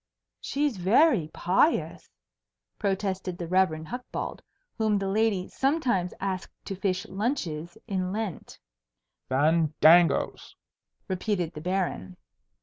"She's very pious," protested the Rev. Hucbald, whom the lady sometimes asked to fish lunches in Lent. "Fandangoes!" repeated the Baron.